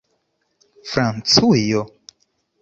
Francujo